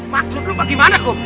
maksud lo bagaimana bu